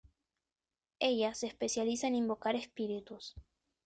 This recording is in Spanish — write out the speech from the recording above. Ella se especializa en invocar espíritus.